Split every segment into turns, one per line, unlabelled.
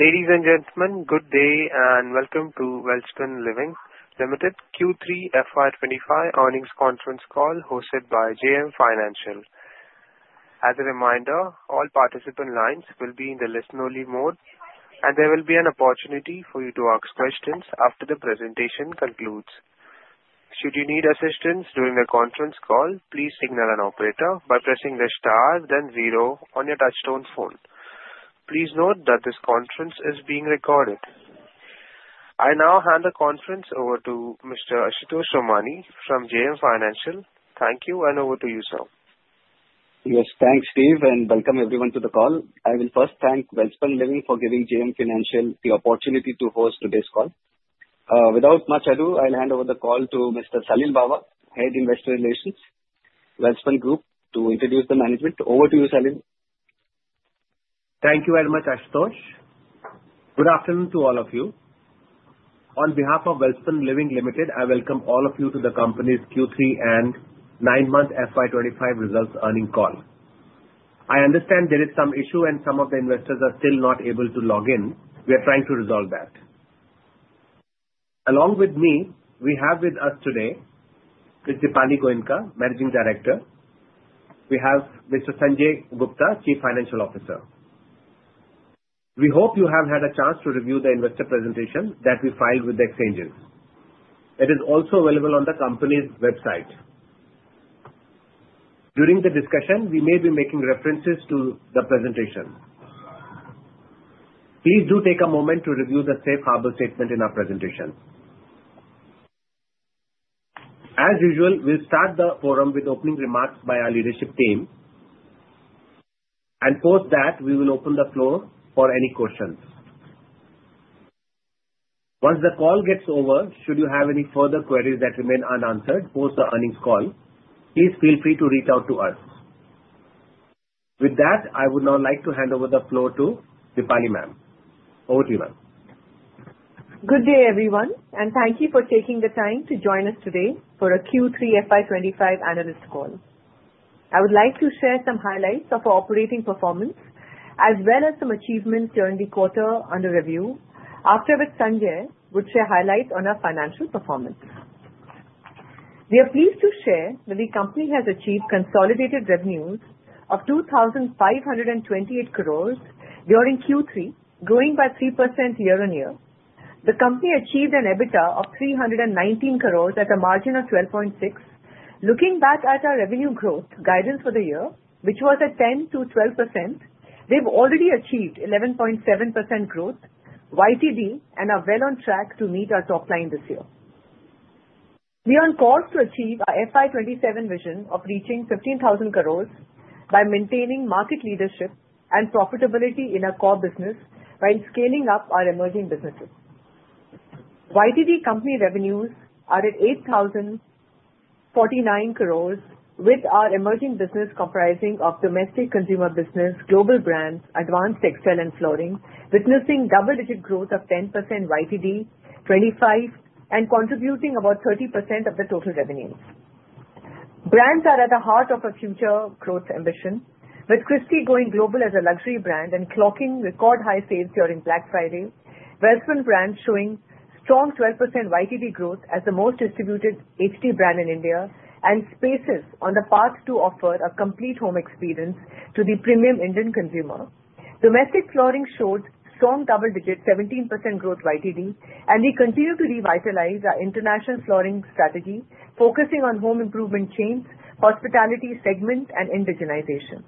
Ladies and gentlemen, good day and welcome to Welspun Living Limited Q3 FY 2025 Earnings Conference Call hosted by JM Financial. As a reminder, all participant lines will be in the listen-only mode, and there will be an opportunity for you to ask questions after the presentation concludes. Should you need assistance during the conference call, please signal an operator by pressing the star then zero on your touch-tone phone. Please note that this conference is being recorded. I now hand the conference over to Mr. Ashutosh Somani from JM Financial. Thank you, and over to you, sir.
Yes, thanks, Steve, and welcome everyone to the call. I will first thank Welspun Living for giving JM Financial the opportunity to host today's call. Without much ado, I'll hand over the call to Mr. Salil Bawa, Head Investor Relations, Welspun Group, to introduce the management. Over to you, Salil.
Thank you very much, Ashutosh. Good afternoon to all of you. On behalf of Welspun Living Limited, I welcome all of you to the company's Q3 and nine-month FY 2025 results earnings call. I understand there is some issue, and some of the investors are still not able to log in. We are trying to resolve that. Along with me, we have with us today Ms. Dipali Goenka, Managing Director. We have Mr. Sanjay Gupta, Chief Financial Officer. We hope you have had a chance to review the investor presentation that we filed with the exchanges. It is also available on the company's website. During the discussion, we may be making references to the presentation. Please do take a moment to review the safe harbor statement in our presentation. As usual, we'll start the forum with opening remarks by our leadership team, and post that we will open the floor for any questions. Once the call gets over, should you have any further queries that remain unanswered post the earnings call, please feel free to reach out to us. With that, I would now like to hand over the floor to Dipali ma'am. Over to you, ma'am.
Good day, everyone, and thank you for taking the time to join us today for a Q3 FY 2025 Analyst Call. I would like to share some highlights of our operating performance as well as some achievements during the quarter under review, after which Sanjay would share highlights on our financial performance. We are pleased to share that the company has achieved consolidated revenues of 2,528 crores during Q3, growing by 3% year-on-year. The company achieved an EBITDA of 319 crores at a margin of 12.6%. Looking back at our revenue growth guidance for the year, which was at 10%-12%, we've already achieved 11.7% growth YTD and are well on track to meet our top line this year. We are on course to achieve our FY 2027 vision of reaching 15,000 crores by maintaining market leadership and profitability in our core business while scaling up our emerging businesses. YTD company revenues are at 8,049 crores, with our emerging business comprising of domestic consumer business, global brands, advanced textile, and flooring, witnessing double-digit growth of 10% YTD, 25%, and contributing about 30% of the total revenues. Brands are at the heart of our future growth ambition, with Christy going global as a luxury brand and clocking record-high sales during Black Friday. Welspun brands showing strong 12% YTD growth as the most distributed HT brand in India and Spaces on the path to offer a complete home experience to the premium Indian consumer. Domestic flooring showed strong double-digit 17% growth YTD, and we continue to revitalize our international flooring strategy, focusing on home improvement chains, hospitality segment, and indigenization.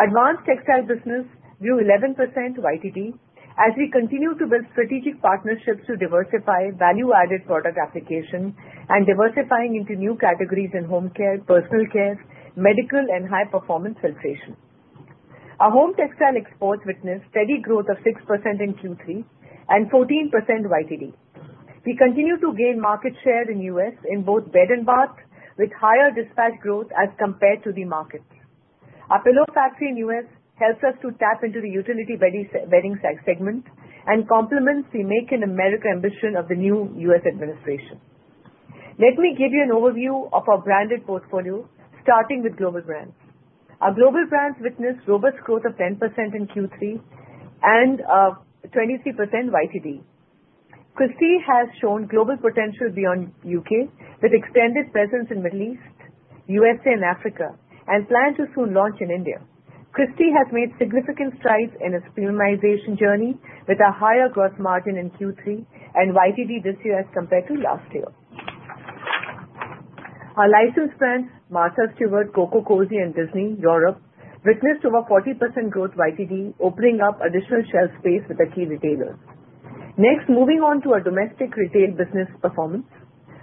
Advanced textile business grew 11% YTD as we continue to build strategic partnerships to diversify value-added product application and diversifying into new categories in home care, personal care, medical, and high-performance filtration. Our home textile exports witnessed steady growth of 6% in Q3 and 14% YTD. We continue to gain market share in the U.S. in both bed and bath, with higher dispatch growth as compared to the market. Our pillow factory in the U.S. helps us to tap into the utility bedding segment and complements the make-in-America ambition of the new U.S. administration. Let me give you an overview of our branded portfolio, starting with global brands. Our global brands witnessed robust growth of 10% in Q3 and 23% YTD. Christy has shown global potential beyond the U.K., with extended presence in the Middle East, USA, and Africa, and plans to soon launch in India. Christy has made significant strides in its premiumization journey, with a higher gross margin in Q3 and YTD this year as compared to last year. Our licensed brands, Martha Stewart, COCOCOZY, and Disney Europe, witnessed over 40% growth YTD, opening up additional shelf space with key retailers. Next, moving on to our domestic retail business performance,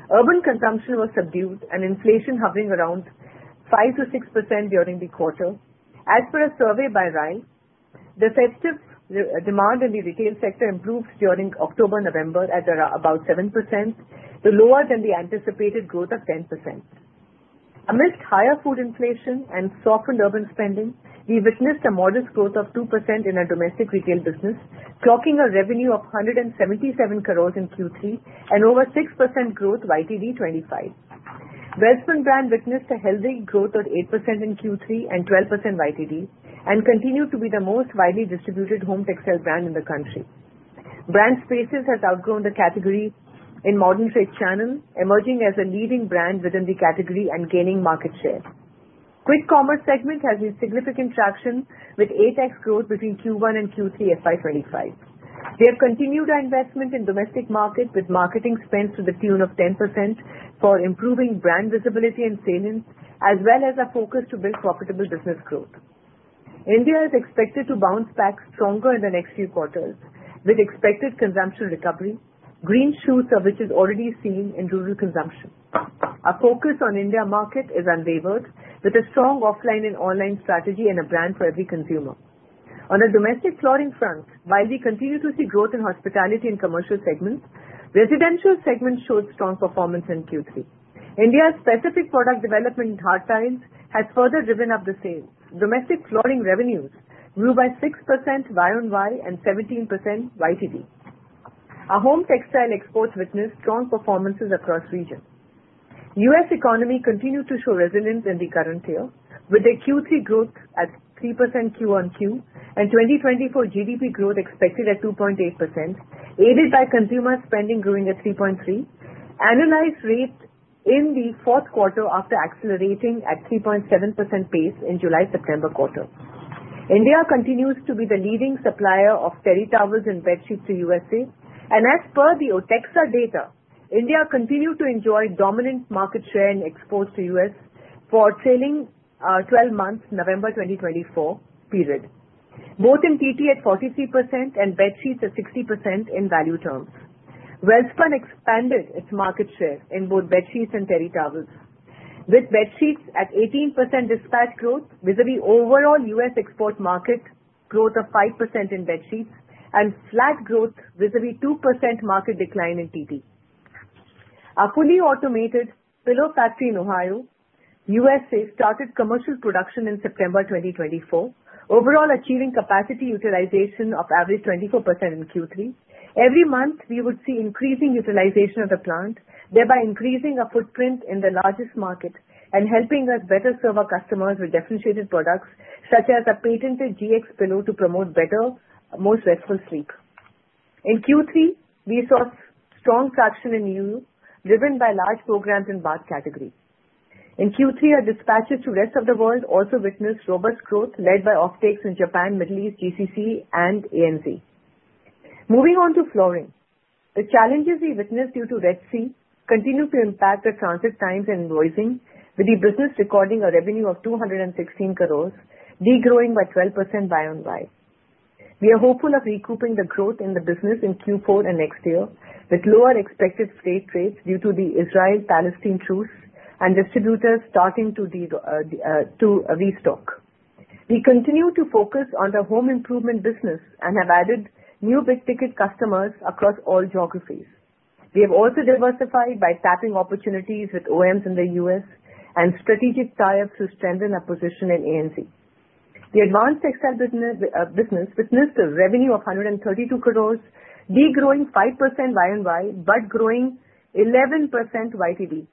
urban consumption was subdued and inflation hovering around 5%-6% during the quarter. As per a survey by RAI, defensive demand in the retail sector improved during October-November at about 7%, lower than the anticipated growth of 10%. Amidst higher food inflation and softened urban spending, we witnessed a modest growth of 2% in our domestic retail business, clocking a revenue of 177 crores in Q3 and over 6% growth YTD 25. Welspun brand witnessed a healthy growth of 8% in Q3 and 12% YTD, and continued to be the most widely distributed home textile brand in the country. Brand Spaces has outgrown the category in modern trade channel, emerging as a leading brand within the category and gaining market share. Quick commerce segment has been significant traction, with 8X growth between Q1 and Q3 FY 2025. We have continued our investment in the domestic market, with marketing spend to the tune of 10% for improving brand visibility and salience, as well as a focus to build profitable business growth. India is expected to bounce back stronger in the next few quarters, with expected consumption recovery, green shoots surfacing already seen in rural consumption. Our focus on the India market is unwavering, with a strong offline and online strategy and a brand for every consumer. On the domestic flooring front, while we continue to see growth in hospitality and commercial segments, residential segment showed strong performance in Q3. India's specific product development initiatives have further driven up the sales. Domestic flooring revenues grew by 6% Y on Y and 17% YTD. Our home textile exports witnessed strong performances across regions. The U.S. economy continued to show resilience in the current year, with the Q3 growth at 3% Q on Q and 2024 GDP growth expected at 2.8%, aided by consumer spending growing at 3.3%. Annualized rate in the fourth quarter after accelerating at 3.7% pace in the July-September quarter. India continues to be the leading supplier of terry towels and bedsheets to the USA, and as per the OTEXA data, India continued to enjoy dominant market share and exports to the U.S. for trailing 12 months, November 2024 period, both in TT at 43% and bedsheets at 60% in value terms. Welspun expanded its market share in both bedsheets and terry towels, with bedsheets at 18% dispatch growth vis-à-vis overall U.S. export market growth of 5% in bedsheets and flat growth vis-à-vis 2% market decline in TT. Our fully automated pillow factory in Ohio, USA, started commercial production in September 2024, overall achieving capacity utilization of average 24% in Q3. Every month, we would see increasing utilization of the plant, thereby increasing our footprint in the largest market and helping us better serve our customers with differentiated products such as a patented Gx Pillow to promote better, more restful sleep. In Q3, we saw strong traction in the EU, driven by large programs in the Bath category. In Q3, our dispatches to the rest of the world also witnessed robust growth led by offtakes in Japan, Middle East, GCC, and ANZ. Moving on to flooring, the challenges we witnessed due to Red Sea continue to impact the transit times and invoicing, with the business recording a revenue of 216 crores, degrowing by 12% Y on Y. We are hopeful of recouping the growth in the business in Q4 and next year, with lower expected freight rates due to the Israel-Palestine truce and distributors starting to restock. We continue to focus on the home improvement business and have added new big-ticket customers across all geographies. We have also diversified by tapping opportunities with OEMs in the U.S. and strategic tie-ups with Stonhard acquisition in ANZ. The advanced textile business witnessed a revenue of 132 crores, degrowing 5% YoY but growing 11% YTD.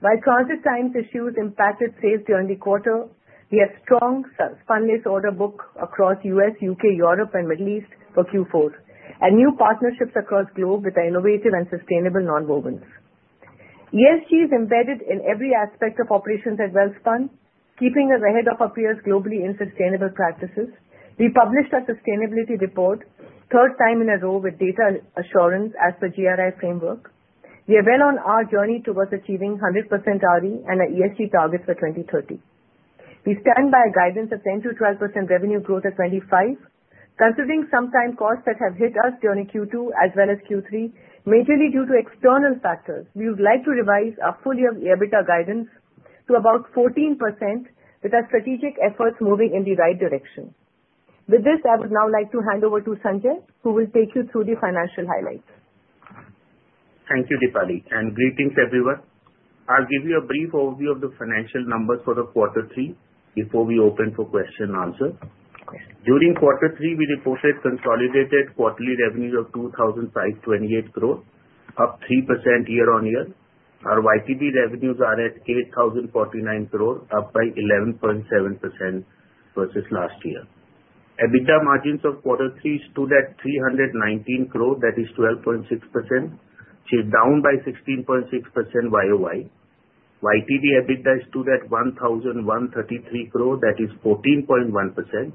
While transit times issues impacted sales during the quarter, we have strong spunlace order book across the US, UK, Europe, and Middle East for Q4, and new partnerships across the globe with our innovative and sustainable non-wovens. ESG is embedded in every aspect of operations at Welspun, keeping us ahead of our peers globally in sustainable practices. We published our sustainability report, third time in a row, with data assurance as per GRI framework. We are well on our journey towards achieving 100% RE and our ESG targets for 2030. We stand by a guidance of 10%-12% revenue growth at 25, considering sometime costs that have hit us during Q2 as well as Q3, majorly due to external factors. We would like to revise our full-year EBITDA guidance to about 14%, with our strategic efforts moving in the right direction. With this, I would now like to hand over to Sanjay, who will take you through the financial highlights.
Thank you, Dipali, and greetings everyone. I'll give you a brief overview of the financial numbers for the quarter three before we open for question and answer. During quarter three, we reported consolidated quarterly revenues of 2,528 crores, up 3% year-on-year. Our YTD revenues are at 8,049 crores, up by 11.7% versus last year. EBITDA margins of quarter three stood at 319 crores, that is 12.6%, which is down by 16.6% YOY. YTD EBITDA stood at 1,133 crores, that is 14.1%,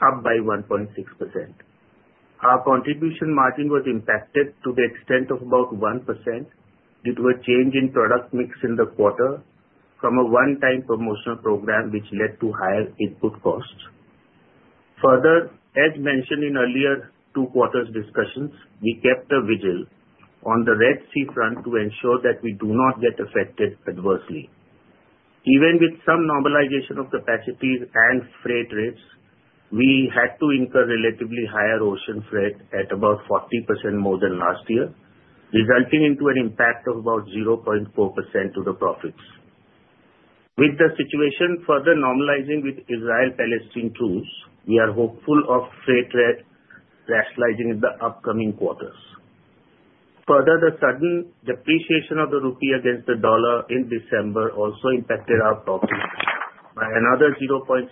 up by 1.6%. Our contribution margin was impacted to the extent of about 1% due to a change in product mix in the quarter from a one-time promotional program, which led to higher input costs. Further, as mentioned in earlier two quarters discussions, we kept a vigil on the Red Sea front to ensure that we do not get affected adversely. Even with some normalization of capacity and freight rates, we had to incur relatively higher ocean freight at about 40% more than last year, resulting in an impact of about 0.4% to the profits. With the situation further normalizing with Israel-Palestine truce, we are hopeful of freight rate rationalizing in the upcoming quarters. Further, the sudden depreciation of the rupee against the dollar in December also impacted our profits by another 0.6%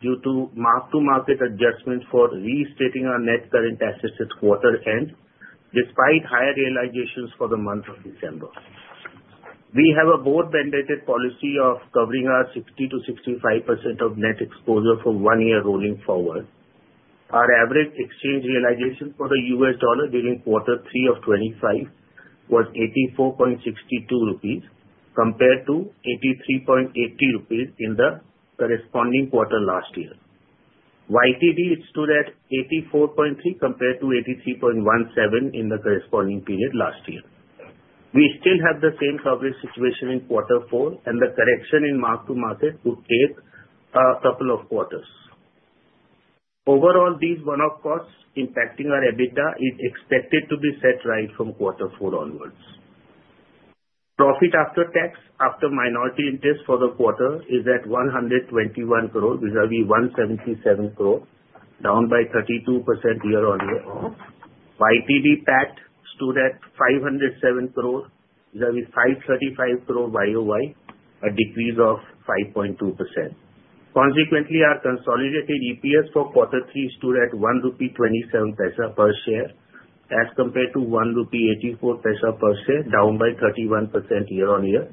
due to mark-to-market adjustment for reinstating our net current assets at quarter end, despite higher realizations for the month of December. We have a board-mandated policy of covering our 60%-65% of net exposure for one year rolling forward. Our average exchange realization for the U.S. dollar during quarter three of 2025 was 84.62 rupees, compared to 83.80 rupees in the corresponding quarter last year. YTD stood at 84.3% compared to 83.17% in the corresponding period last year. We still have the same coverage situation in quarter four, and the correction in mark-to-market took a couple of quarters. Overall, these one-off costs impacting our EBITDA are expected to be set right from quarter four onwards. Profit after tax, after minority interest for the quarter, is at 121 crores vis-à-vis 177 crores, down by 32% year-on-year. YTD PAT stood at 507 crores vis-à-vis 535 crores YOY, a decrease of 5.2%. Consequently, our consolidated EPS for quarter three stood at 1.27 rupee per share as compared to 1.84 rupee per share, down by 31% year-on-year.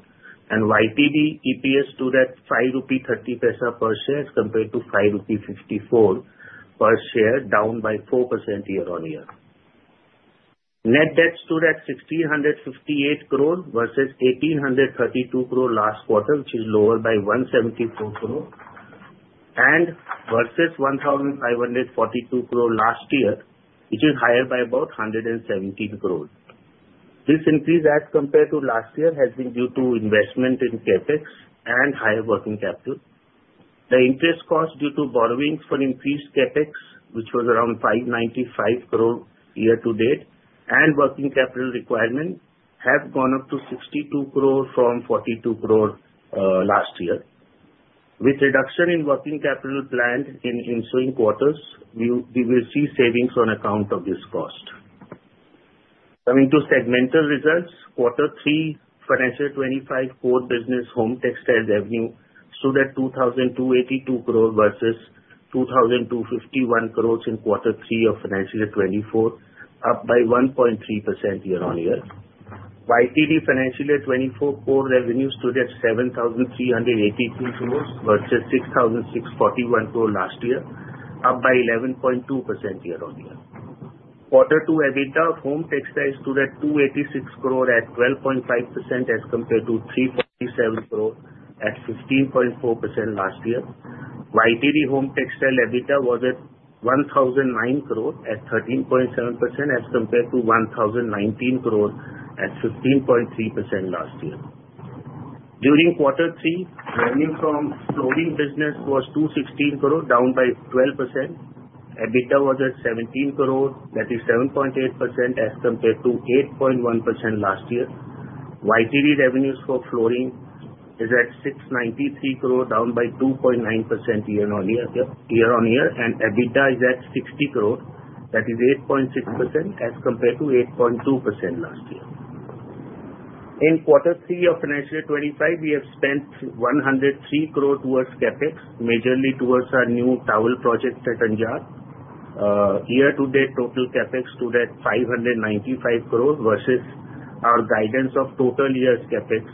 YTD EPS stood at 5.30 rupee per share as compared to 5.54 rupee per share, down by 4% year-on-year. Net debt stood at 1,658 crores versus 1,832 crores last quarter, which is lower by 174 crores, and versus 1,542 crores last year, which is higher by about 117 crores. This increase, as compared to last year, has been due to investment in CapEx and higher working capital. The interest costs due to borrowings for increased CapEx, which was around 595 crores year to date, and working capital requirement have gone up to 62 crores from 42 crores last year. With reduction in working capital planned in ensuing quarters, we will see savings on account of this cost. Coming to segmental results, quarter three financial 25 core business home textiles revenue stood at 2,282 crores versus 2,251 crores in quarter three of financial year 2024, up by 1.3% year-on-year. YTD financial year 2024 core revenue stood at 7,383 crores versus 6,641 crores last year, up by 11.2% year-on-year. Quarter two EBITDA of home textiles stood at 286 crores at 12.5% as compared to 347 crores at 15.4% last year. YTD home textile EBITDA was at 1,009 crores at 13.7% as compared to 1,019 crores at 15.3% last year. During quarter three, revenue from flooring business was 216 crores, down by 12%. EBITDA was at 17 crores, that is 7.8% as compared to 8.1% last year. YTD revenues for flooring are at 693 crores, down by 2.9% year-on-year, and EBITDA is at 60 crores, that is 8.6% as compared to 8.2% last year. In quarter three of financial year 2025, we have spent 103 crores towards CapEx, majorly towards our new towel project at Anjar. Year-to-date total CapEx stood at 595 crores versus our guidance of total year's CapEx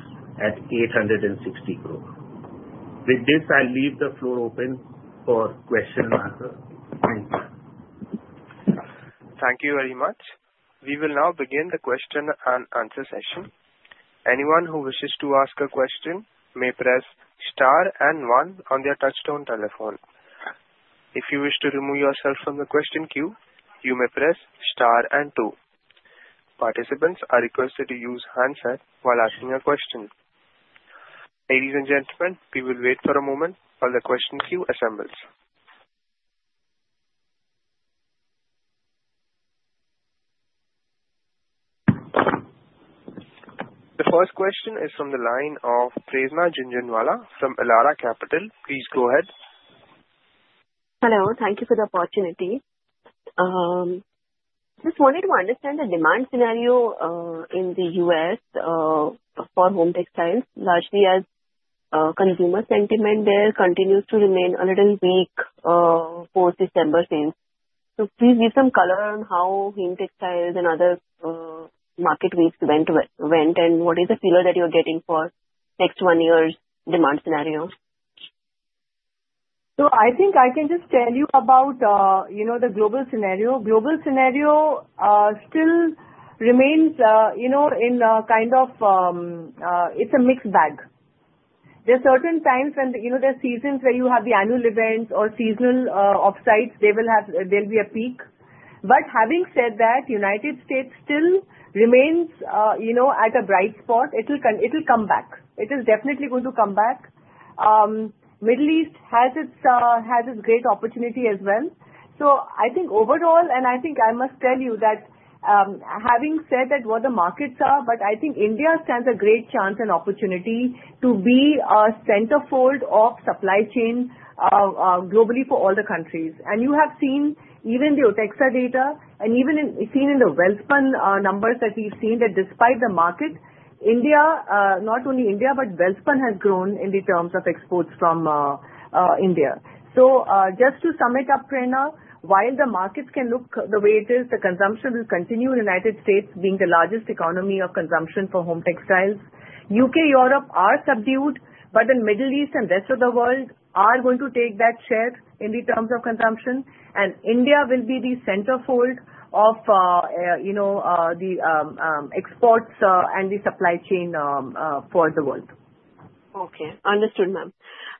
at 860 crores. With this, I'll leave the floor open for question and answer. Thank you.
Thank you very much. We will now begin the question and answer session. Anyone who wishes to ask a question may press star and one on their touch-tone telephone. If you wish to remove yourself from the question queue, you may press star and two. Participants are requested to use handset while asking a question. Ladies and gentlemen, we will wait for a moment while the question queue assembles. The first question is from the line of Prerna Jhunjhunwala from Elara Capital. Please go ahead.
Hello. Thank you for the opportunity. Just wanted to understand the demand scenario in the U.S. for home textiles, largely as consumer sentiment there continues to remain a little weak for December since. So please give some color on how home textiles and other market weeks went and what is the feeler that you're getting for next one year's demand scenario.
So I think I can just tell you about the global scenario. Global scenario still remains in a kind of it's a mixed bag. There are certain times when there are seasons where you have the annual events or seasonal offsites, there will be a peak. But having said that, the United States still remains at a bright spot. It'll come back. It is definitely going to come back. Middle East has its great opportunity as well. So I think overall, and I think I must tell you that having said that what the markets are, but I think India stands a great chance and opportunity to be a centerfold of supply chain globally for all the countries. And you have seen even the OTEXA data and even seen in the Welspun numbers that we've seen that despite the market, India—not only India, but Welspun—has grown in terms of exports from India. So just to sum it up, Prerna, while the markets can look the way it is, the consumption will continue in the United States being the largest economy of consumption for home textiles. U.K., Europe are subdued, but the Middle East and rest of the world are going to take that share in terms of consumption, and India will be the centerfold of the exports and the supply chain for the world.
Okay. Understood, ma'am.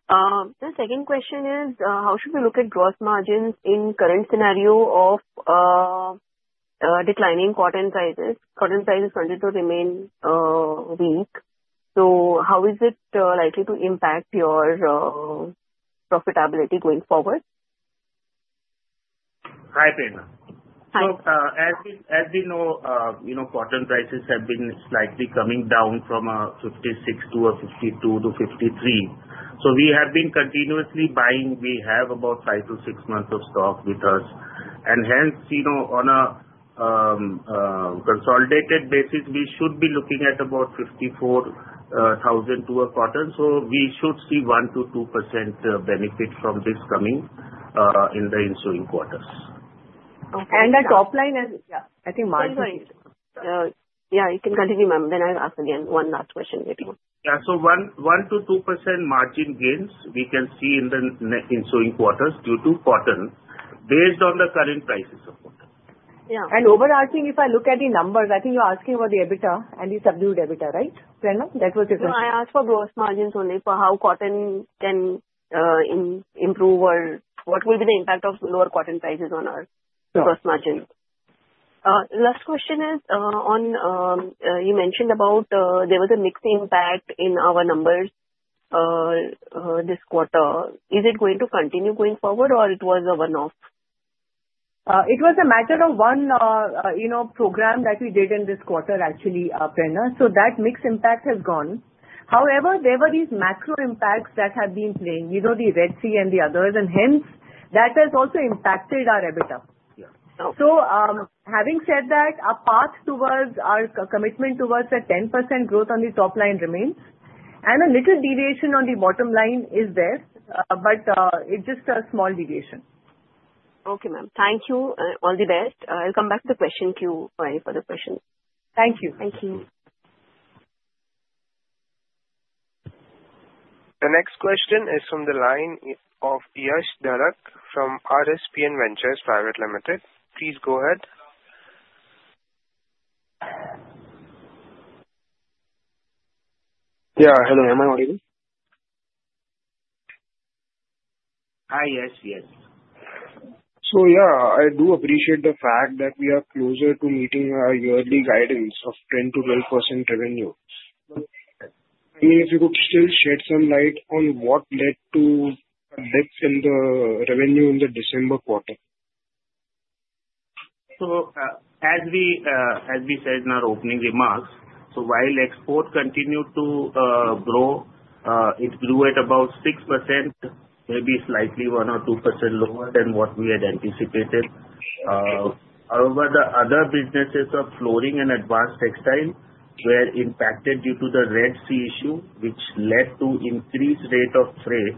The second question is, how should we look at gross margins in the current scenario of declining cotton prices? Cotton prices continue to remain weak. So how is it likely to impact your profitability going forward?
Hi, Prerna.
Hi.
As we know, cotton prices have been slightly coming down from 56 to 52-53. We have been continuously buying. We have about five to six months of stock with us. Hence, on a consolidated basis, we should be looking at about 54 cents to cotton. We should see 1%-2% benefit from this coming in the ensuing quarters.
And the top line is, yeah.
I think margin gains. Yeah, you can continue, ma'am. Then I'll ask again one last question later.
Yeah. So 1%-2% margin gains we can see in the ensuing quarters due to cotton based on the current prices of cotton.
Yeah, and overall, seeing if I look at the numbers, I think you're asking about the EBITDA and the subdued EBITDA, right? Prerna, that was your question.
No, I asked for gross margins only for how cotton can improve or what will be the impact of lower cotton prices on our gross margin. Last question is on. You mentioned about there was a mixed impact in our numbers this quarter. Is it going to continue going forward, or it was a one-off?
It was a matter of one program that we did in this quarter, actually, Prerna, so that mixed impact has gone. However, there were these macro impacts that have been playing, the Red Sea and the others, and hence that has also impacted our EBITDA, so having said that, our path towards our commitment towards the 10% growth on the top line remains, and a little deviation on the bottom line is there, but it's just a small deviation.
Okay, ma'am. Thank you. All the best. I'll come back to the question queue for any further questions.
Thank you.
Thank you.
The next question is from the line of Yash Darak from RSPN Ventures Private Limited. Please go ahead.
Yeah. Hello. Am I audible?
Hi, yes, yes.
So yeah, I do appreciate the fact that we are closer to meeting our yearly guidance of 10%-12% revenue. I mean, if you could still shed some light on what led to a dip in the revenue in the December quarter.
As we said in our opening remarks, while exports continued to grow, it grew at about 6%, maybe slightly 1% or 2% lower than what we had anticipated. However, the other businesses of flooring and advanced textiles were impacted due to the Red Sea issue, which led to an increased rate of freight,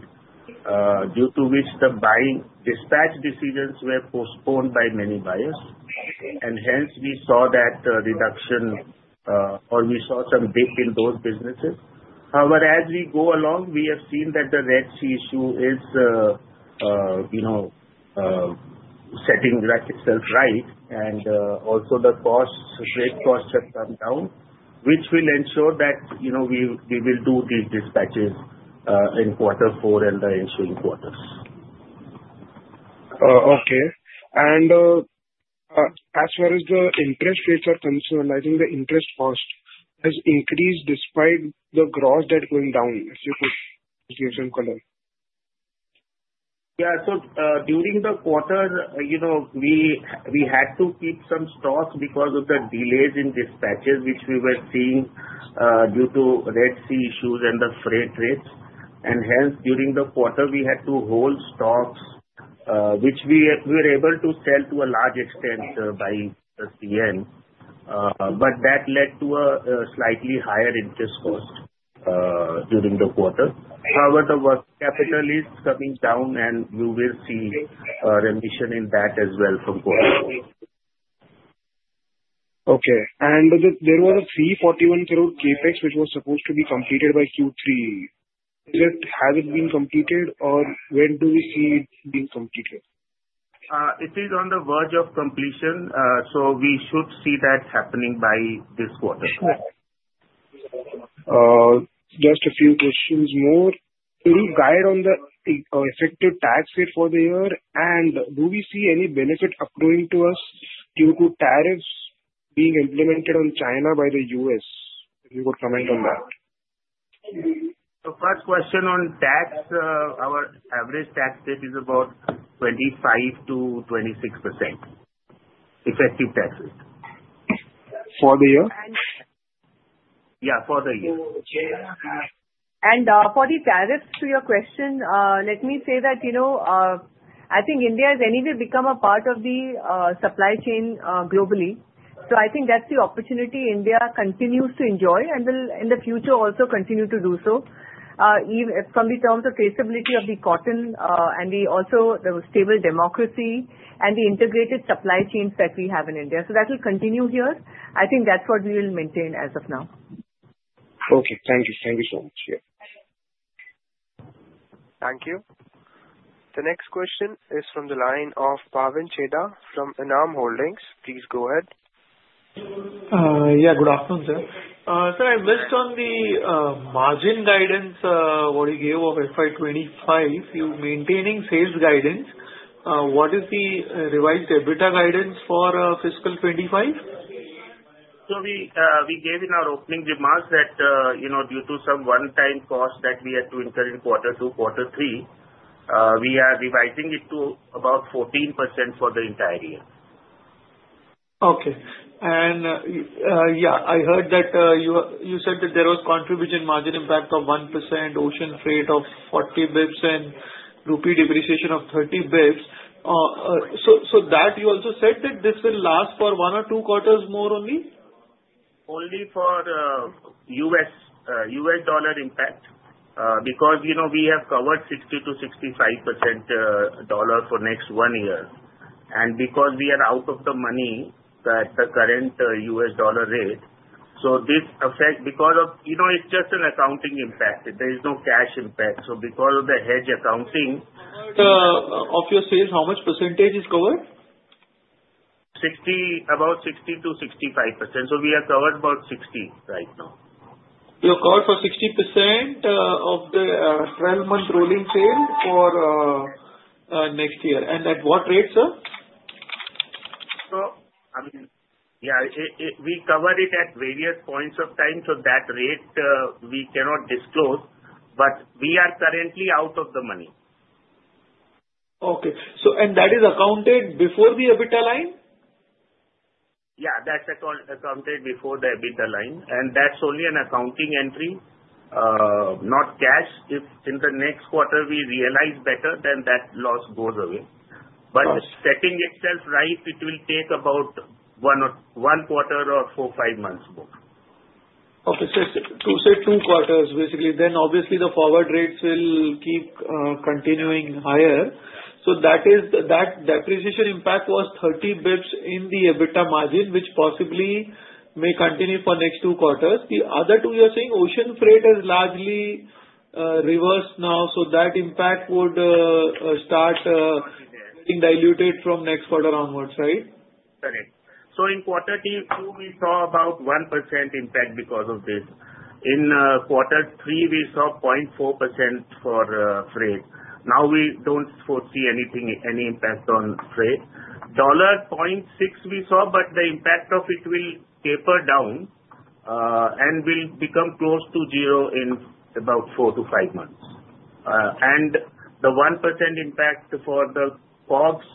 due to which the buying dispatch decisions were postponed by many buyers. Hence, we saw that reduction, or we saw some dip in those businesses. However, as we go along, we have seen that the Red Sea issue is setting itself right, and also the costs, freight costs have come down, which will ensure that we will do these dispatches in quarter four and the ensuing quarters.
Okay, and as far as the interest rates are concerned, I think the interest cost has increased despite the gross debt going down, if you could give some color.
Yeah. So during the quarter, we had to keep some stocks because of the delays in dispatches, which we were seeing due to Red Sea issues and the freight rates. And hence, during the quarter, we had to hold stocks, which we were able to sell to a large extent by the CY. But that led to a slightly higher interest cost during the quarter. However, the working capital is coming down, and we will see a remission in that as well from quarter four.
Okay. There was an 41 crore CapEx, which was supposed to be completed by Q3. Has it been completed, or when do we see it being completed?
It is on the verge of completion, so we should see that happening by this quarter.
Just a few questions more. Any guide on the effective tax rate for the year, and do we see any benefit accruing to us due to tariffs being implemented on China by the U.S.? If you could comment on that.
So, first question on tax, our average tax rate is about 25%-26% effective tax rate.
For the year?
Yeah, for the year.
And for the tariffs, to your question, let me say that I think India has anyway become a part of the supply chain globally. So I think that's the opportunity India continues to enjoy and will in the future also continue to do so, from the terms of traceability of the cotton and also the stable democracy and the integrated supply chains that we have in India. So that will continue here. I think that's what we will maintain as of now.
Okay. Thank you. Thank you so much. Yeah.
Thank you. The next question is from the line of Bhavin Chheda from Enam Holdings. Please go ahead.
Yeah. Good afternoon, sir. Sir, I missed on the margin guidance, what you gave of FY 2025. You're maintaining sales guidance. What is the revised EBITDA guidance for FY 2025?
We gave in our opening remarks that due to some one-time costs that we had to incur in quarter two, quarter three, we are revising it to about 14% for the entire year.
Okay. And yeah, I heard that you said that there was contribution margin impact of 1%, ocean freight of 40 basis points, and rupee depreciation of 30 basis points. So that you also said that this will last for one or two quarters more only?
Only for U.S. dollar impact because we have covered 60%-65% dollar for next one year. And because we are out of the money, the current U.S. dollar rate, so this affects because of it's just an accounting impact. There is no cash impact. So because of the hedge accounting.
Of your sales, how much percentage is covered?
About 60%-65%, so we are covered about 60% right now.
You're covered for 60% of the 12-month rolling sale for next year, and at what rate, sir?
So I mean, yeah, we cover it at various points of time. So that rate, we cannot disclose, but we are currently out of the money.
Okay. And that is accounted before the EBITDA line?
Yeah. That's accounted before the EBITDA line, and that's only an accounting entry, not cash. If in the next quarter we realize better, then that loss goes away, but setting itself right, it will take about one quarter or four, five months more.
Okay. So say two quarters, basically. Then obviously the forward rates will keep continuing higher. So that depreciation impact was 30 basis points in the EBITDA margin, which possibly may continue for next two quarters. The other two, you're saying ocean freight has largely reversed now. So that impact would start getting diluted from next quarter onwards, right?
Correct. So in quarter two, we saw about 1% impact because of this. In quarter three, we saw 0.4% for freight. Now we don't foresee any impact on freight. $0.6 we saw, but the impact of it will taper down and will become close to zero in about four to five months. And the 1% impact for the COGS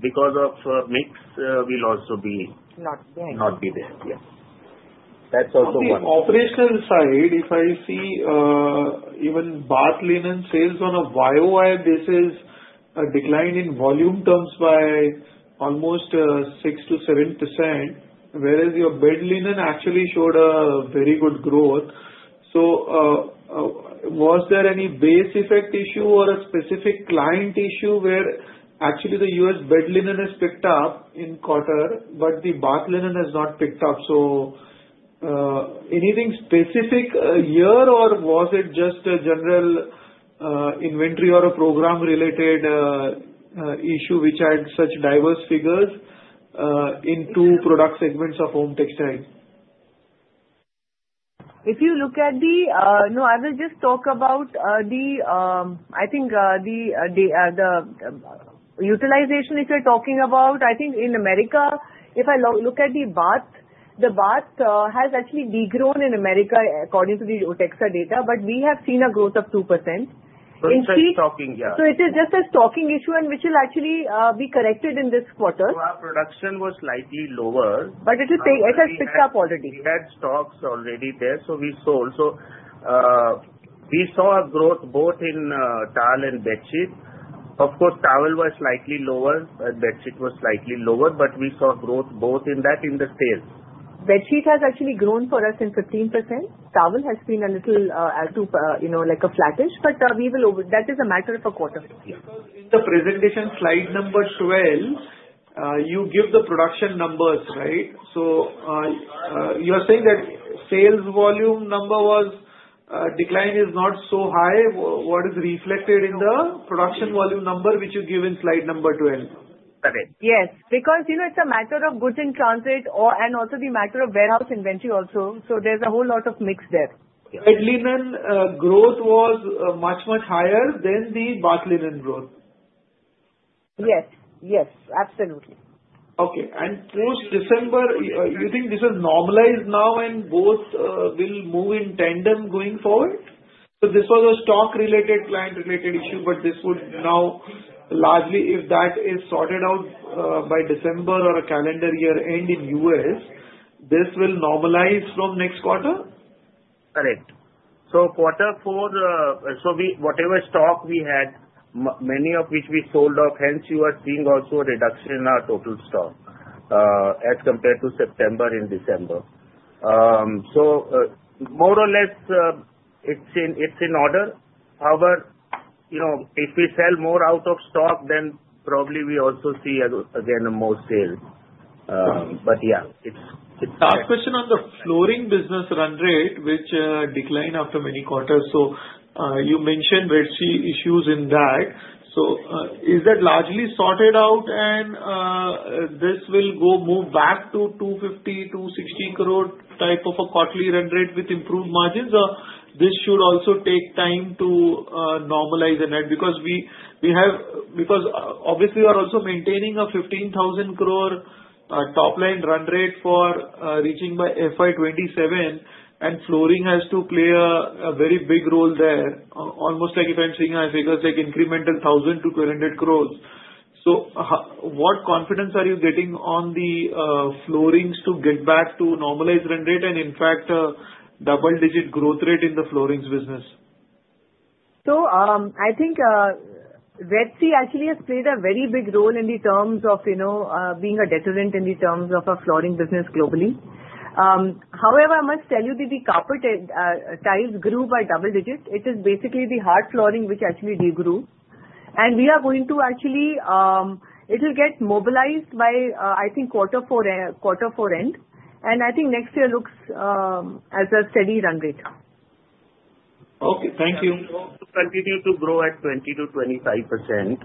because of mix will also be not there. That's also one of them.
On the operational side, if I see even bath linen sales on a YoY basis decline in volume terms by almost 6%-7%, whereas your bed linen actually showed a very good growth. So was there any base effect issue or a specific client issue where actually the U.S. bed linen has picked up in quarter, but the bath linen has not picked up? So anything specific here or was it just a general inventory or a program-related issue which had such diverse figures in two product segments of home textiles?
If you look at, I will just talk about, I think, the utilization if you're talking about, I think, in America. If I look at the bath, the bath has actually degrown in America according to the OTEXA data, but we have seen a growth of 2%.
So it's stocking, yeah.
It is just a stocking issue, which will actually be corrected in this quarter.
Our production was slightly lower.
But it has picked up already.
We had stocks already there, so we sold, so we saw a growth both in towel and bedsheet. Of course, towel was slightly lower and bedsheet was slightly lower, but we saw growth both in that, in the sales.
Bedsheet has actually grown for us in 15%. Towel has been a little like a flattish, but that is a matter of a quarter.
Because in the presentation slide number 12, you give the production numbers, right? So you're saying that sales volume number was decline is not so high. What is reflected in the production volume number which you give in slide number 12?
Correct. Yes. Because it's a matter of goods in transit and also the matter of warehouse inventory also. So there's a whole lot of mix there.
Bed linen growth was much, much higher than the bath linen growth.
Yes. Yes. Absolutely.
Okay. And post-December, you think this has normalized now and both will move in tandem going forward? So this was a stock-related, client-related issue, but this would now largely, if that is sorted out by December or a calendar year end in U.S., this will normalize from next quarter?
Correct. So quarter four, so whatever stock we had, many of which we sold off, hence you are seeing also a reduction in our total stock as compared to September and December. So more or less it's in order. However, if we sell more out of stock, then probably we also see again more sales. But yeah, it's.
Last question on the flooring business run rate, which declined after many quarters. So you mentioned Red Sea issues in that. So is that largely sorted out and this will go move back to 250-260 crore type of a quarterly run rate with improved margins, or this should also take time to normalize in it? Because obviously you are also maintaining a 15,000 crore top line run rate for reaching by FY 27, and flooring has to play a very big role there, almost like if I'm seeing figures like incremental 1,000 to 200 crores. So what confidence are you getting on the floorings to get back to normalized run rate and in fact a double-digit growth rate in the floorings business?
So I think Red Sea actually has played a very big role in terms of being a deterrent in terms of our flooring business globally. However, I must tell you that the carpet tiles grew by double digits. It is basically the hard flooring which actually degrew. And we are going to actually it will get mobilized by, I think, quarter four end. And I think next year looks as a steady run rate.
Okay. Thank you.
It will continue to grow at 20%-25%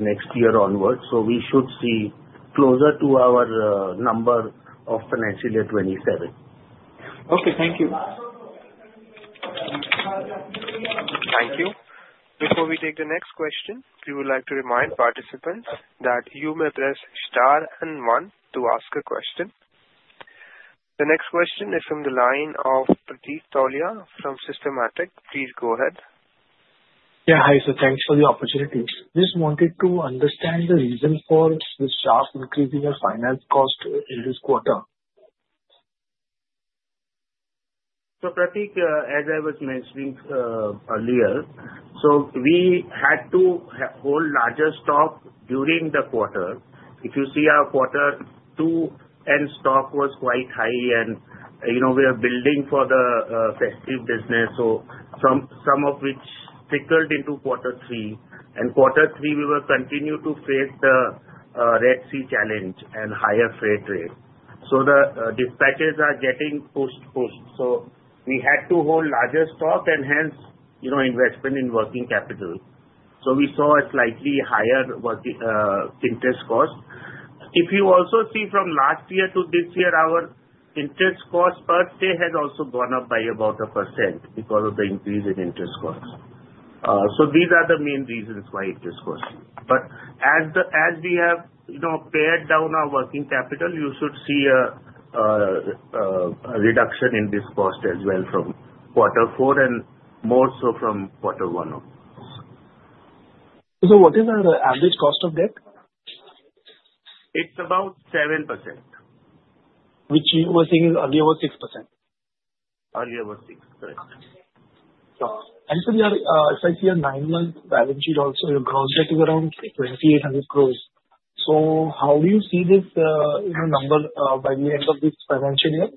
next year onward. So we should see closer to our number of financial year 2027.
Okay. Thank you.
Thank you. Before we take the next question, we would like to remind participants that you may press star and one to ask a question. The next question is from the line of Pradeep Tolia from Systematix. Please go ahead.
Yeah. Hi, sir. Thanks for the opportunity. Just wanted to understand the reason for this sharp increase in your finance cost in this quarter.
Pradeep, as I was mentioning earlier, we had to hold larger stock during the quarter. If you see our quarter two end stock was quite high and we are building for the festive business, so some of which trickled into quarter three. Quarter three, we will continue to face the Red Sea challenge and higher freight rate. The dispatches are getting postponed. We had to hold larger stock and hence investment in working capital. We saw a slightly higher interest cost. If you also see from last year to this year, our interest cost per se has also gone up by about 1% because of the increase in interest cost. These are the main reasons why interest cost. But as we have pared down our working capital, you should see a reduction in this cost as well from quarter four and more so from quarter one, of course.
So what is our average cost of debt?
It's about 7%.
Which you were saying earlier was 6%.
Earlier was 6%.
If I see a nine-month balance sheet also, your gross debt is around 2,800 crores. How do you see this number by the end of this financial year?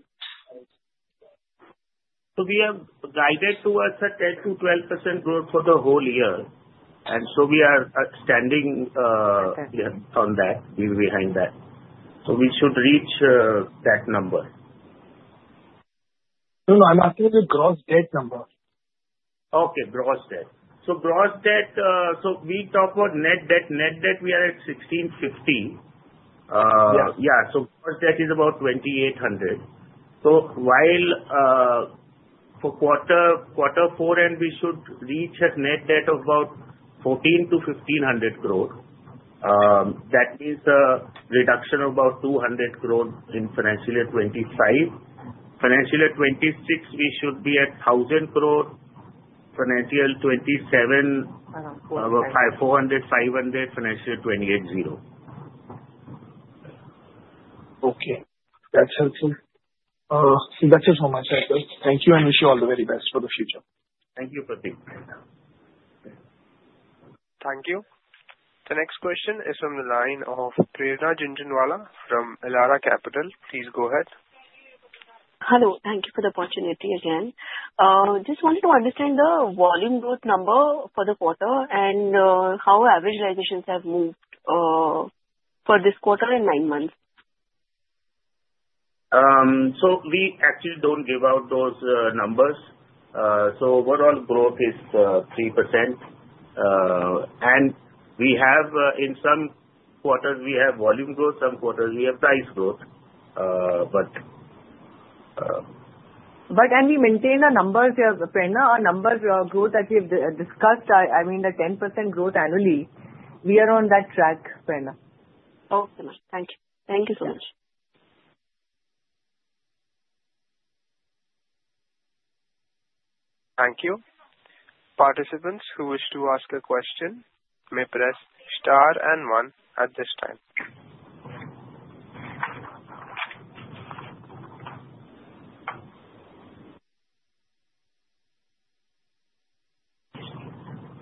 We have guided towards a 10%-12% growth for the whole year. We are standing on that, behind that. We should reach that number.
No, no. I'm asking you the gross debt number?
Okay. Gross debt. So gross debt, so we talk about net debt. Net debt, we are at 1,650 crore. Yeah. So gross debt is about 2,800 crore. So while for quarter four end, we should reach a net debt of about 1,400-1,500 crore. That means a reduction of about 200 crore in financial year 25. Financial year 26, we should be at 1,000 crore. Financial 27, 400-500 crore. Financial 28, zero.
Okay. That's helpful. That's just how much I have. Thank you and wish you all the very best for the future.
Thank you, Pradeep.
Thank you. The next question is from the line of Prerna Jhunjhunwala from Elara Capital. Please go ahead.
Hello. Thank you for the opportunity again. Just wanted to understand the volume growth number for the quarter and how average realizations have moved for this quarter and nine months.
So we actually don't give out those numbers. Overall growth is 3%. And we have in some quarters volume growth. Some quarters, we have price growth, but.
But when we maintain the numbers, Prerna, our numbers, our growth that we have discussed, I mean, the 10% growth annually, we are on that track, Prerna.
Oh, so much. Thank you. Thank you so much.
Thank you. Participants who wish to ask a question may press star and one at this time.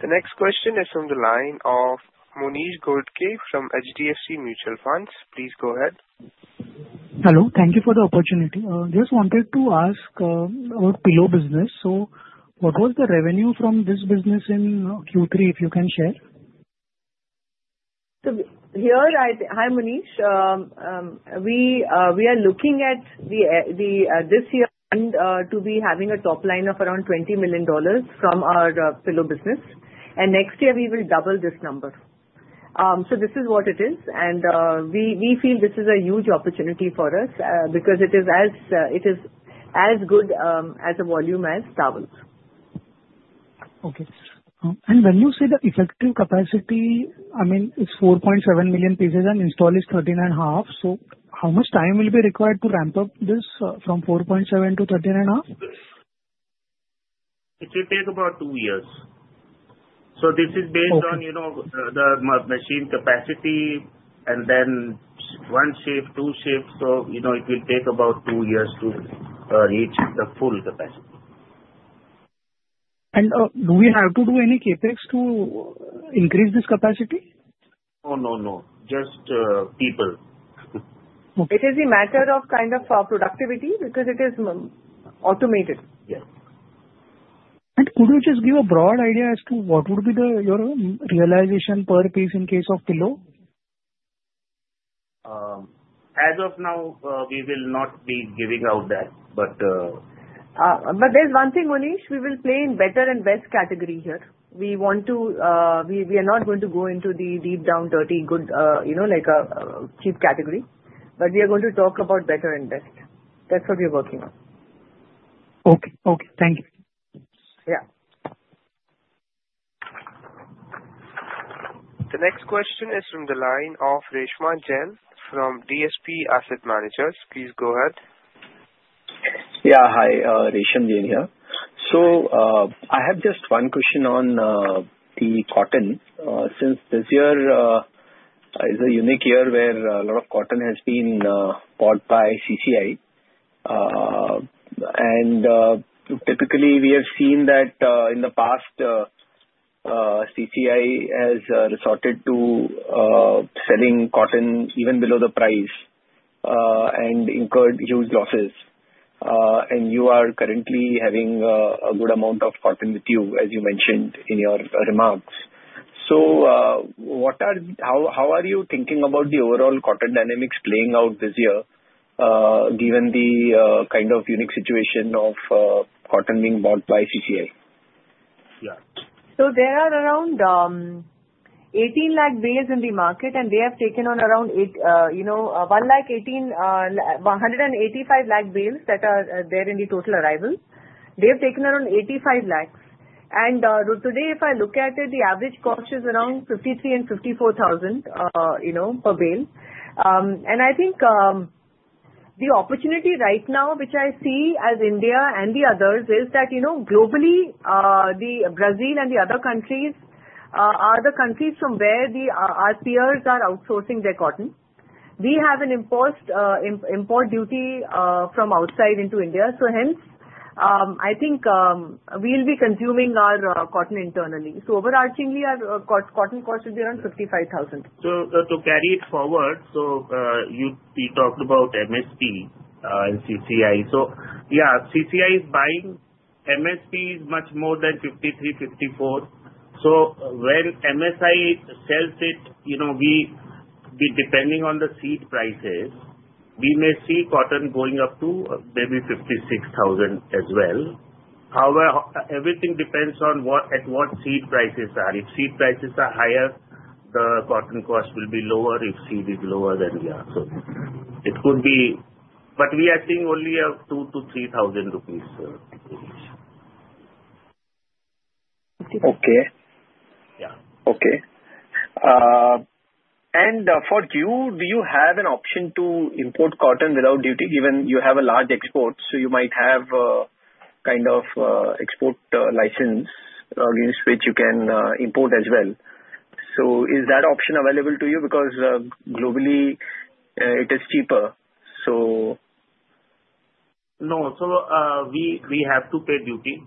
The next question is from the line of Monish Ghodke from HDFC Mutual Fund. Please go ahead.
Hello. Thank you for the opportunity. Just wanted to ask about pillow business. So what was the revenue from this business in Q3, if you can share?
So here, hi Monish. We are looking at this year to be having a top line of around $20 million from our pillow business, and next year, we will double this number, so this is what it is, and we feel this is a huge opportunity for us because it is as good as a volume as towels.
Okay. And when you say the effective capacity, I mean, it's 4.7 million pieces and installed is 13 and a half. So how much time will be required to ramp up this from 4.7-13 and a half?
It will take about two years. So this is based on the machine capacity and then one shift, two shifts. So it will take about two years to reach the full capacity.
Do we have to do any CapEx to increase this capacity?
No, no, no. Just people.
It is a matter of kind of productivity because it is automated.
Yes.
Could you just give a broad idea as to what would be your realization per piece in case of pillow?
As of now, we will not be giving out that, but.
But there's one thing, Monish. We will play in better and best category here. We want to. We are not going to go into the deep down dirty goods like a cheap category. But we are going to talk about better and best. That's what we are working on.
Okay. Okay. Thank you.
Yeah.
The next question is from the line of Resham Jain from DSP Asset Managers. Please go ahead.
Yeah. Hi, Reshma Jain here. So I have just one question on the cotton. Since this year is a unique year where a lot of cotton has been bought by CCI. And typically, we have seen that in the past, CCI has resorted to selling cotton even below the price and incurred huge losses. And you are currently having a good amount of cotton with you, as you mentioned in your remarks. So how are you thinking about the overall cotton dynamics playing out this year, given the kind of unique situation of cotton being bought by CCI?
Yeah.
So there are around 18 lakh bales in the market, and they have taken on around 185 lakh bales that are there in the total arrival. They have taken around 85 lakhs. And today, if I look at it, the average cost is around 53-54 thousand per bale. And I think the opportunity right now, which I see as India and the others, is that globally, Brazil and the other countries are the countries from where our peers are outsourcing their cotton. We have an import duty from outside into India. So hence, I think we'll be consuming our cotton internally. So overarchingly, our cotton cost should be around 55,000.
To carry it forward, you talked about MSP and CCI. Yeah, CCI is buying at MSP which is much more than 53, 54. When CCI sells it, depending on the seed prices, we may see cotton going up to maybe 56,000 as well. However, everything depends on at what seed prices are. If seed prices are higher, the cotton cost will be lower. If seed is lower, then yeah. It could be, but we are seeing only a two to three thousand rupees.
Okay.
Yeah.
Okay. And for you, do you have an option to import cotton without duty, given you have a large export? So you might have kind of export license against which you can import as well. So is that option available to you? Because globally, it is cheaper, so.
No, so we have to pay duty.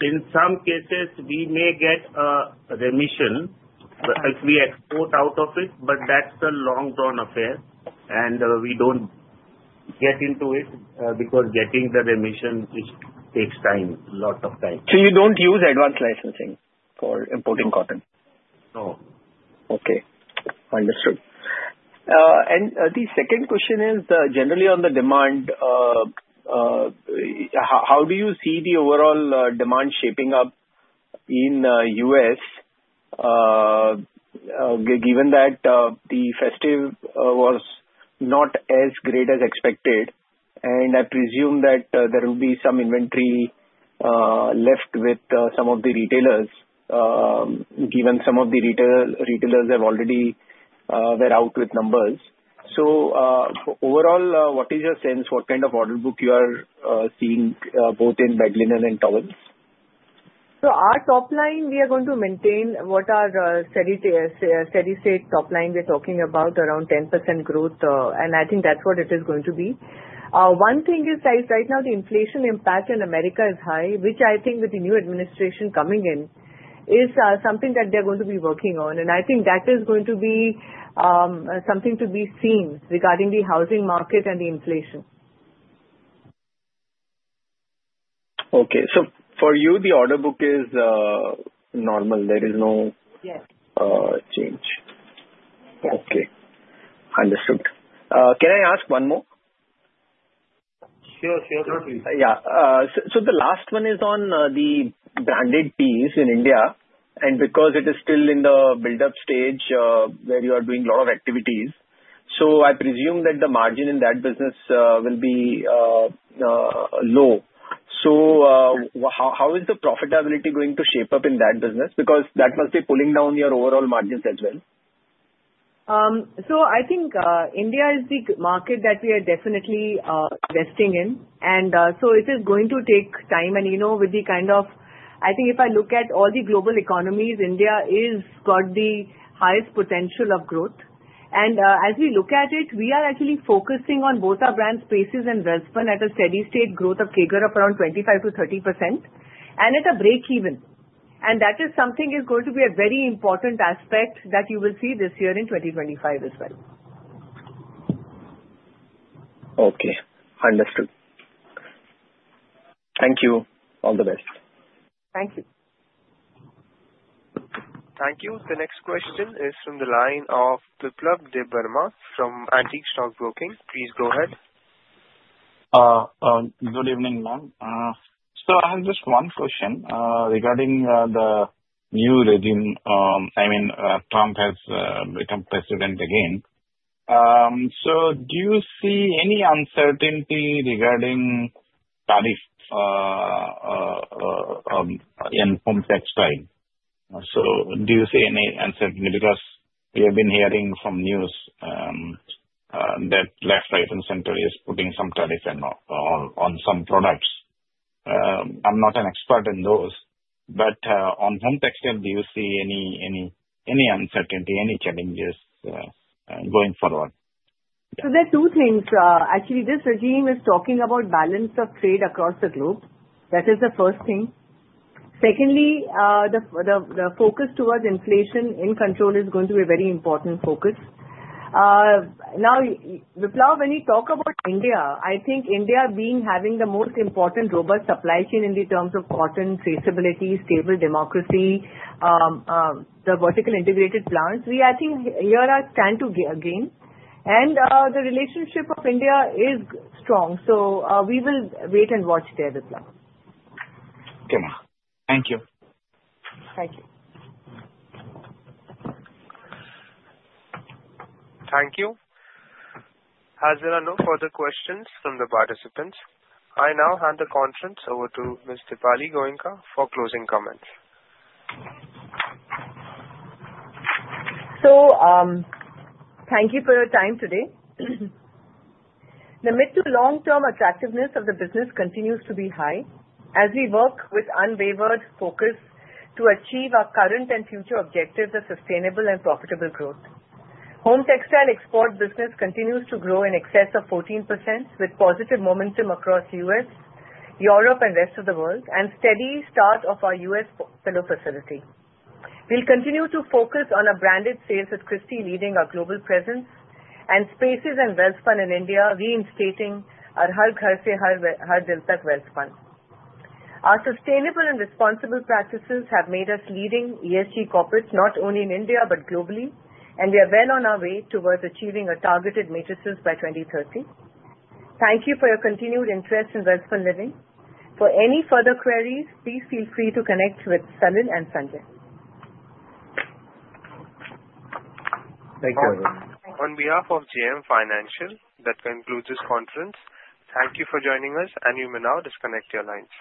In some cases, we may get a remission if we export out of it, but that's a long-term affair, and we don't get into it because getting the remission takes time, a lot of time.
So you don't use advance licensing for importing cotton?
No.
Okay. Understood, and the second question is generally on the demand. How do you see the overall demand shaping up in the U.S., given that the festive was not as great as expected? And I presume that there will be some inventory left with some of the retailers, given some of the retailers have already come out with numbers. So overall, what is your sense? What kind of order book you are seeing both in bed linen and in towels?
So our top line, we are going to maintain what our steady state top line we're talking about, around 10% growth. And I think that's what it is going to be. One thing is, guys, right now, the inflation impact in America is high, which I think with the new administration coming in is something that they're going to be working on. And I think that is going to be something to be seen regarding the housing market and the inflation.
Okay. So for you, the order book is normal. There is no change.
Yes.
Okay. Understood. Can I ask one more?
Sure, sure. Not really.
Yeah. So the last one is on the branded piece in India. And because it is still in the build-up stage where you are doing a lot of activities, so I presume that the margin in that business will be low. So how is the profitability going to shape up in that business? Because that must be pulling down your overall margins as well.
I think India is the market that we are definitely investing in. It is going to take time. With the kind of, I think if I look at all the global economies, India has got the highest potential of growth. As we look at it, we are actually focusing on both our brand Spaces and Welspun at a steady state growth of CAGR of around 25%-30% and at a breakeven. That is something that is going to be a very important aspect that you will see this year in 2025 as well.
Okay. Understood. Thank you. All the best.
Thank you.
Thank you. The next question is from the line of Biplab Debbarma from Antique Stock Broking. Please go ahead.
Good evening, ma'am. So I have just one question regarding the new regime. I mean, Trump has become president again. So do you see any uncertainty regarding tariff and textile side? So do you see any uncertainty? Because we have been hearing from news that left, right, and center is putting some tariff on some products. I'm not an expert in those. But on textile side, do you see any uncertainty, any challenges going forward?
So there are two things. Actually, this regime is talking about balance of trade across the globe. That is the first thing. Secondly, the focus towards inflation control is going to be a very important focus. Now, Biplab, when you talk about India, I think India having the most robust supply chain in terms of cotton traceability, stable democracy, the vertically integrated plants, I think there is a chance to gain. And the relationship of India is strong. So we will wait and watch there, Biplab.
Okay. Thank you.
Thank you.
Thank you. As there are no further questions from the participants, I now hand the conference over to Ms. Dipali Goenka for closing comments.
So thank you for your time today. The mid- to long-term attractiveness of the business continues to be high as we work with unwavering focus to achieve our current and future objectives of sustainable and profitable growth. Home textile export business continues to grow in excess of 14% with positive momentum across the U.S., Europe, and rest of the world, and steady start of our U.S. pillow facility. We'll continue to focus on our branded sales with Christy leading our global presence and Spaces and Welspun in India reinstating our Har Ghar Se Har Dil Tak Welspun. Our sustainable and responsible practices have made us leading ESG corporates not only in India but globally, and we are well on our way towards achieving our targeted metrics by 2030. Thank you for your continued interest in Welspun Living. For any further queries, please feel free to connect with Salil and Sanjay.
Thank you.
On behalf of JM Financial, that concludes this conference. Thank you for joining us, and you may now disconnect your lines.